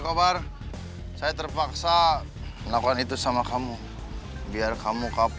soalnya tadi monten aku sempet overheat